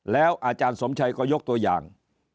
แล้วอาจารย์สมชัยก็ยกตัวอย่าง